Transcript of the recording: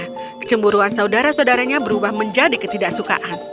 karena kecemburuan saudara saudaranya berubah menjadi ketidaksukaan